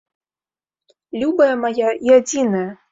Любая мая і адзіная!